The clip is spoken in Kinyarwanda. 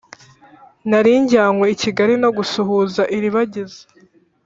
Nari njyanywe i Kigali no gusuhuza iribagiza